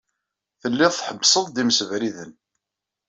Tellid tḥebbsed-d imsebriden.